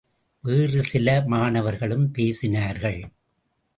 வேறு சில மாணவர்களும் பேசினார்கள்.